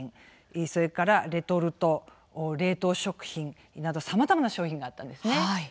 それからレトルト冷凍食品などさまざまな商品があったんですね。